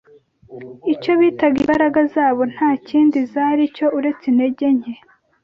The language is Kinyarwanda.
icyo bitaga imbaraga zabo nta kindi zari cyo uretse intege nke